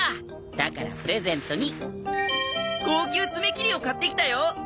だからプレゼントに高級爪切りを買ってきたよ！